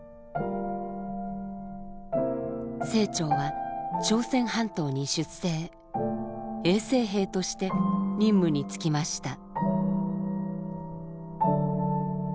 清張は朝鮮半島に出征衛生兵として任務に就きました。